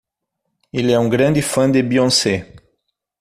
Ele é um grande fã de Beyoncé.